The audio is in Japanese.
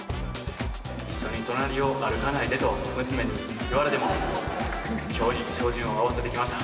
一緒に隣を歩かないでと娘に言われても、きょうに照準を合わせてきました。